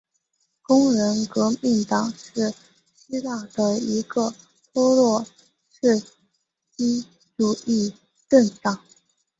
工人革命党是希腊的一个托洛茨基主义政党。